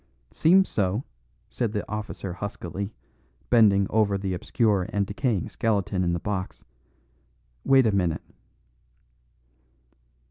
"Seems so," said the officer huskily, bending over the obscure and decaying skeleton in the box. "Wait a minute."